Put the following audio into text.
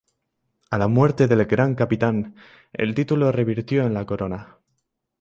A la muerte del Gran Capitán, el título revirtió en la Corona.